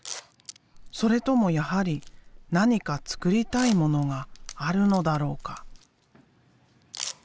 それともやはり何かつくりたいものがあるのだろうか？